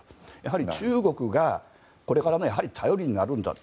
中国がこれから頼りになるんだと。